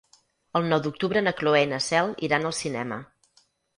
El nou d'octubre na Cloè i na Cel iran al cinema.